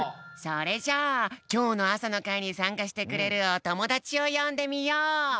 それじゃあきょうの朝の会にさんかしてくれるおともだちをよんでみよう。